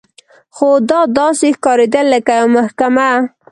خو دا داسې ښکارېدل لکه یوه محکمه.